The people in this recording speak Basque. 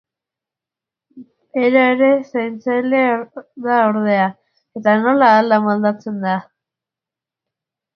Bera ere zaintzaile da ordea, eta nola hala moldatzen da.